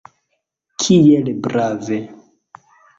Kiel brave!